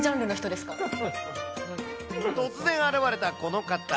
突然現れたこの方。